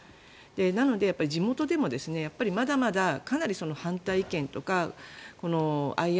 なので地元でもまだまだかなり反対意見とかＩＲ